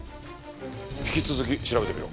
引き続き調べてみろ。